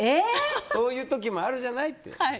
そういう時もあるじゃないって。